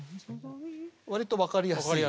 わりと分かりやすい。